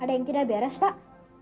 ada yang tidak beres pak